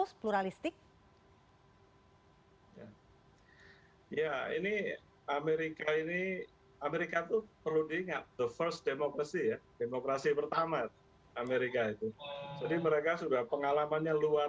saya kira semua